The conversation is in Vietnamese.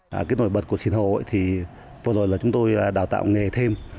cái nổi bật của sìn hồ thì vừa rồi là chúng tôi đào tạo nghề thêm